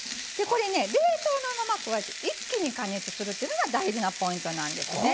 これね冷凍のままこうやって一気に加熱するっていうのが大事なポイントなんですね。